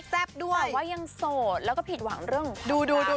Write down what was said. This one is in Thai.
แต่ว่ายังโสดแล้วก็ผิดหวังเรื่องของคนรัก